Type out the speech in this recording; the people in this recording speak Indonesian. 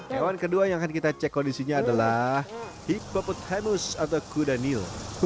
hewan kedua yang akan kita cek kondisinya adalah higbopothemus atau kudanil